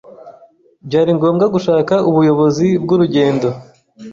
Byari ngombwa gushaka ubuyobozi bwurugendo.